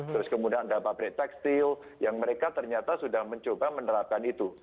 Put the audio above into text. terus kemudian ada pabrik tekstil yang mereka ternyata sudah mencoba menerapkan itu